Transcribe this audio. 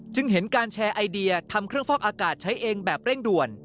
เห็นการแชร์ไอเดียทำเครื่องฟอกอากาศใช้เองแบบเร่งด่วน